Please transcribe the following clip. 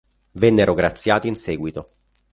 Vennero graziati in seguito.